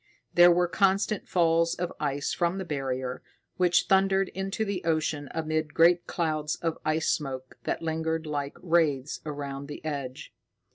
There were constant falls of ice from the Barrier, which thundered into the ocean amid great clouds of ice smoke that lingered like wraiths around the edge.